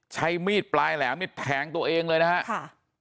ใช้มีดปลายแหลมนี่แทงตัวเองเลยนะครับ